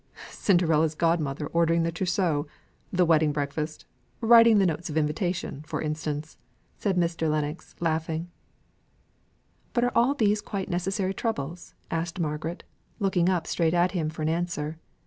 "Cinderella's godmother ordering the trousseau, the wedding breakfast, writing the notes of invitation, for instance," said Mr. Lennox, laughing. "But are all these quite necessary troubles?" asked Margaret, looking up straight at him for an answer.